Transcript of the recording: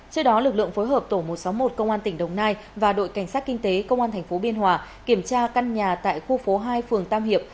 trước đó lực lượng phối hợp tổ một trăm sáu mươi một công an tỉnh đồng nai và đội cảnh sát kinh tế công an tp biên hòa kiểm tra căn nhà tại khu phố hai phường tam hiệp